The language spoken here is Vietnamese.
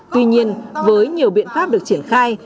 tuy nhiên với nhiều biện pháp được triển khai